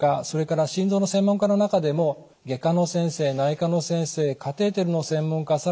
それから心臓の専門家の中でも外科の先生内科の先生カテーテルの専門家